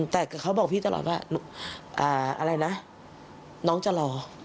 แต่เขาบอกพี่ตลอดว่าอะไรนะน้องจะรอ